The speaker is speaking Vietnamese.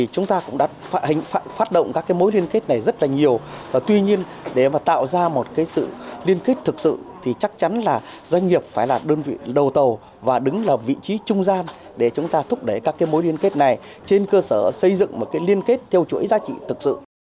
chúng ta cũng đã phát động các mối liên kết này rất là nhiều tuy nhiên để tạo ra một sự liên kết thực sự thì chắc chắn là doanh nghiệp phải là đơn vị đầu tàu và đứng là vị trí trung gian để chúng ta thúc đẩy các mối liên kết này trên cơ sở xây dựng một liên kết theo chuỗi giá trị thực sự